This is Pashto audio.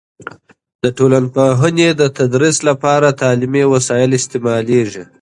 د ټولنپوهنې د تدریس لپاره تعلیمي وسایل استعمالیږي.